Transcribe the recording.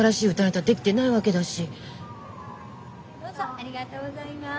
ありがとうございます。